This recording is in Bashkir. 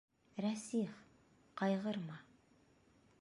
Рәсих, ҡайғырма.